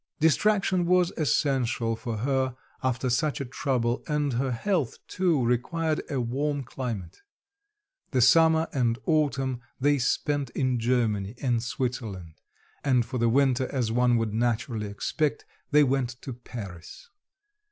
Distraction was essential for her after such a trouble, and her health, too, required a warm climate. The summer and autumn they spent in Germany and Switzerland, and for the winter, as one would naturally expect, they went to Paris.